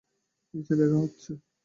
নিচে দেখা হচ্ছে।